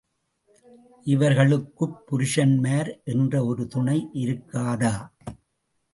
இவர்களுக்குப் புருஷன்மார் என்ற ஒரு துணை இருக்காதா?